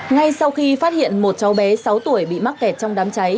ngay sau khi phát hiện một cháu bé sáu tuổi bị mắc kẹt trong đám cháy